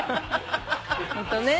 ホントね。